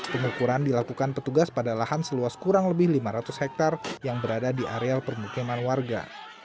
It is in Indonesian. pengukuran dilakukan petugas pada lahan seluas kurang lebih lima ratus hektare yang berada di areal permukiman warga